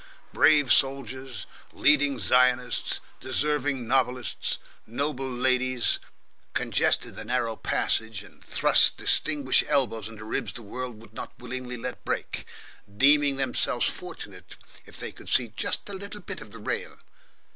Brave soldiers, leading Zionists, deserving novelists, noble ladies, congested the narrow passage and thrust distinguished elbows into ribs the world would not willingly let break, deeming themselves fortunate if they could see "just a little bit of the rail."